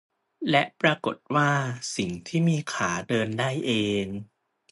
และปรากฏว่า สิ่งที่มีขาเดินได้เอง